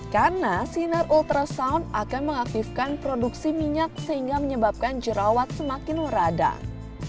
karena sinar ultrasound akan mengaktifkan produksi minyak sehingga menyebabkan jerawat semakin meradang